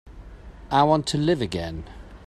I want to live again.